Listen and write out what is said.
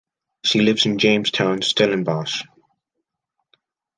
She lives in Jamestown, Stellenbosch.